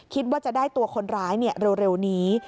คิดว่าจะได้ตัวคนร้ายเร็วนี้